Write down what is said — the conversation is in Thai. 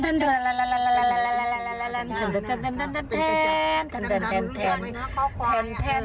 เบาอ้าวไปดูพี่ฮายกันหน่อย๗๕ใบอ่ะ